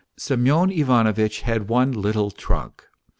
... Semyon Ivanovitch had one little trunk.